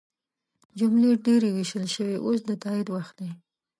جملې ډیرې ویل شوي اوس د تایید وخت دی.